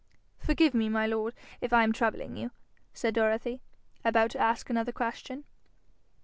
'Forgive me, my lord, if I am troubling you,' said Dorothy, about to ask another question.